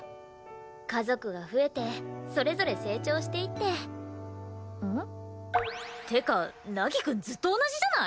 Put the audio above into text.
家族が増えてそれぞれ成長していって。ってか凪くんずっと同じじゃない！？